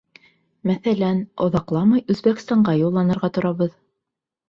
Мәҫәлән, оҙаҡламай Үзбәкстанға юлланырға торабыҙ.